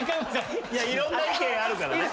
いろんな意見あるからね。